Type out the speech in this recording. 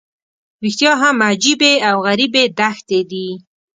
رښتیا هم عجیبې او غریبې دښتې دي.